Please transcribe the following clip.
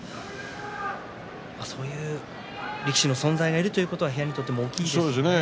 そういう力士の存在がいるということは部屋にとっても大きいですね。